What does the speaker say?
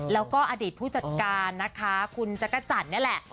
แล้วก็อดีตผู้จัดการคุณจักรจันเนี่ยแหละ